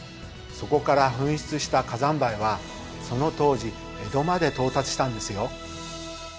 そこから噴出した火山灰はその当時江戸まで到達したんですよ。